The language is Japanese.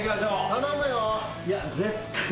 頼むよ。